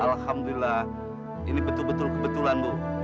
alhamdulillah ini betul betul kebetulan bu